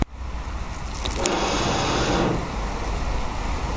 Akamtoa Yesu mwana mpendwa